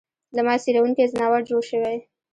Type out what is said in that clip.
له ما څېرونکی ځناور جوړ شوی